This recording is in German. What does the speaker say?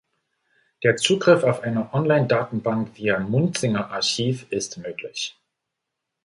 Der Zugriff auf eine Online-Datenbank via Munzinger-Archiv ist möglich.